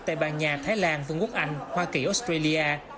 hàn nha thái lan vương quốc anh hoa kỳ australia